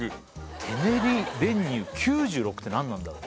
手練り練乳９６って何なんだろう？